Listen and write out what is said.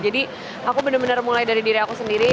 jadi aku bener bener mulai dari diri aku sendiri